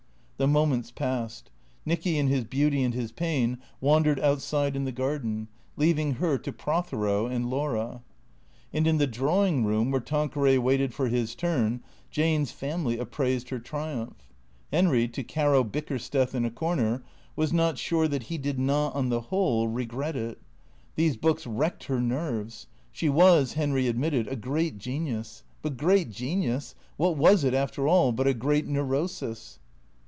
The moments passed. Nicky in his beauty and his pain wan dered outside in the garden, leaving her to Prothero and Laura. And in the drawing room, where Tanqueray waited for his turn, Jane's family appraised her triumph. Henry, to Caro Bickersteth in a corner, was not sure that he did not, on the whole, regret it. These books wrecked her nerves. She was, Henry admitted, a great genius; but great genius, what was it, after all, but a great Neurosis